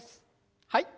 はい。